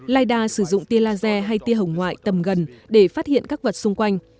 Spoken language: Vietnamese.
lidar sử dụng tia laser hay tia hồng ngoại tầm gần để phát hiện các vật xung quanh